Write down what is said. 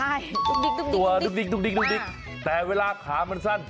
ใช่ดุกดิกตัวดุกดิกแต่เวลาขามันสั้น